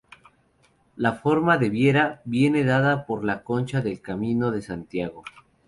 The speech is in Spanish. La forma de vieira, viene dada por la concha del Camino de Santiago.